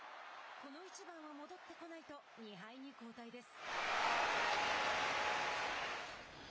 この一番は戻ってこないと２敗に後退です。